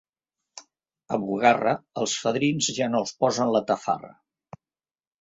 A Bugarra, als fadrins ja no els posen la tafarra.